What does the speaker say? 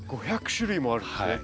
５００種類もあるんですね。